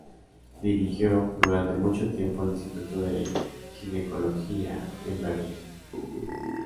Dirigió durante mucho tiempo el Instituto de Ginecología en Berlín.